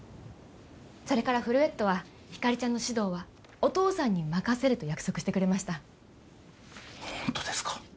それからフルウェットはひかりちゃんの指導はお父さんに任せると約束してくれましたホントですか？